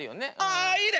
ああいいね！